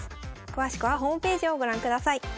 詳しくはホームページをご覧ください。